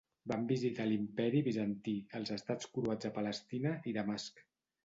Van visitar l'Imperi Bizantí, els estats croats a Palestina, i Damasc.